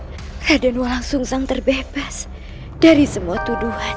semoga saja raden walang sung sang terbebas dari semua tuduhan